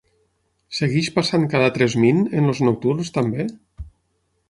Segueix passant cada tres min en els nocturns també?